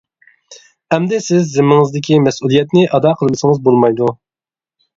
ئەمدى سىز زىممىڭىزدىكى مەسئۇلىيەتنى ئادا قىلمىسىڭىز بولمايدۇ.